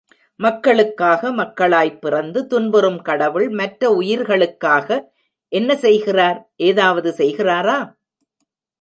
மக்களுக்காக மக்களாய்ப் பிறந்து துன்புறும் கடவுள் மற்ற உயிரிகளுக்காக என்ன செய்கிறார்? ஏதாவது செய்கிறாரா?